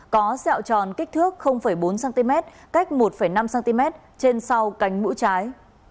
có dẹo tròn kích thước bốn cm cách một năm cm trên sau cánh mũi trái